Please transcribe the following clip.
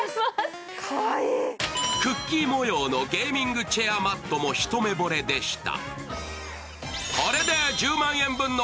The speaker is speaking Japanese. クッキー模様のゲーミングチェアマットも一目惚れでした。